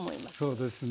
そうですね。